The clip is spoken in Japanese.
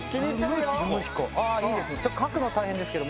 書くの大変ですけど。